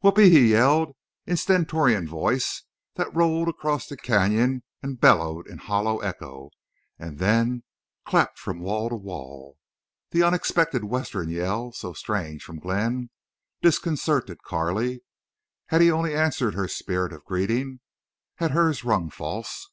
"Whoopee!" he yelled, in stentorian voice that rolled across the canyon and bellowed in hollow echo and then clapped from wall to wall. The unexpected Western yell, so strange from Glenn, disconcerted Carley. Had he only answered her spirit of greeting? Had hers rung false?